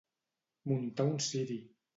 Muntar un ciri.